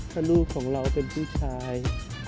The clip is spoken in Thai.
ถ้าลูกของเราเป็นผู้ชาย